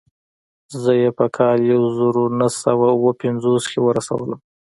زه يې په کال يو زر و نهه سوه اووه پنځوس کې ورسولم.